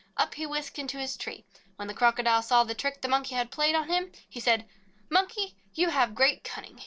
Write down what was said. Up he whisked into his tree. When the Crocodile saw the trick the Monkey had played on him, he said: "Monkey, you have great cunning.